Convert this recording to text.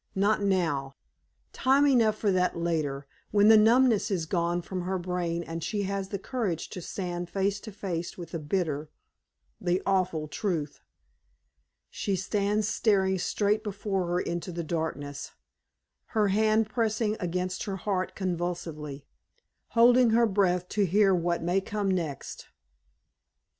Not now; time enough for that later, when the numbness is gone from her brain and she has the courage to stand face to face with the bitter the awful truth. She stands staring straight before her into the darkness, her hand pressing against her heart convulsively, holding her breath to hear what may come next.